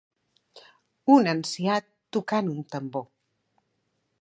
Un ancià tocant un tambor.